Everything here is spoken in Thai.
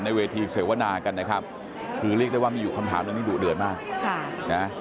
ในเวทีเสวนากันคือเรียกได้ว่ามีอยู่คำถามดูเดินมาก